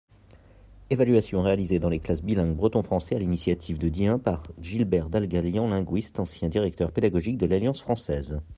Evaluation réalisée dans les classes bilingues breton- français à l’initiative de Dihun par Gilbert Dalgalian, linguiste, ancien Directeur Pédagogique de l’Alliance Française.